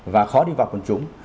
và khó đi vào quần chúng